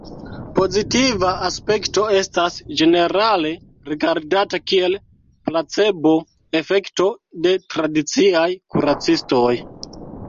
Pozitiva aspekto estas ĝenerale rigardata kiel 'placebo'-efekto de tradiciaj kuracistoj.